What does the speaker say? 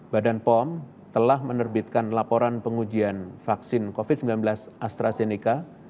badan pom telah menerbitkan laporan pengujian vaksin covid sembilan belas astrazeneca